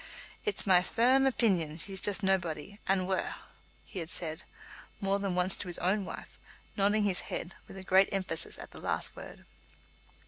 "It's my fer rm opeenion she's jist naebody and waur," he had said more than once to his own wife, nodding his head with great emphasis at the last word.